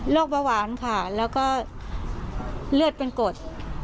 โรคแบบหวานครับแล้วก็รอดเป็นกรด